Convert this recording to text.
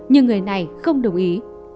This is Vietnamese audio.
nhưng người này không đồng ý